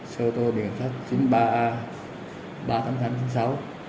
sau đó tôi xuống nơi xe ô tô biển kiểm soát chín mươi ba a ba mươi tám nghìn tám trăm chín mươi sáu